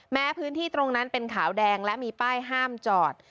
แม้พื้นที่ตรงนั้นเป็นขาวแดงและมีป้ายห้ามจอด